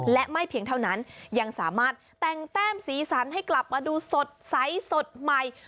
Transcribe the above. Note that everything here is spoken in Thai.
และไม่เพียงเท่านั้นยังสามารถแต่งแต้มสีสันให้กลับมาดูสดใสสดใหม่